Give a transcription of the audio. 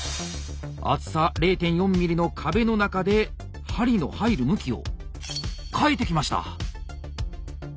厚さ０．４ｍｍの壁の中で針の入る向きを変えてきました。